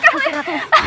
bu siratu apa apa